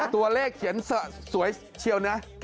ตัวเลขเขียนสวยเชียวนะ